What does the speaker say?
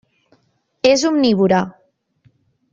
És omnívora.